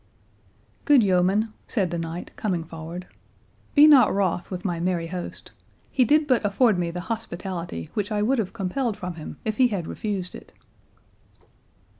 "Good yeoman," said the knight, coming forward, "be not wroth with my merry host. He did but afford me the hospitality which I would have compelled from him if he had refused it."